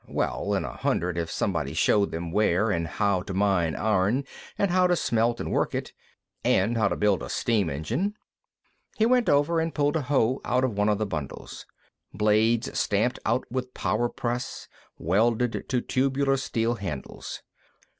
Well, in a hundred, if somebody showed them where and how to mine iron and how to smelt and work it. And how to build a steam engine. He went over and pulled a hoe out of one of the bundles. Blades stamped out with a power press, welded to tubular steel handles.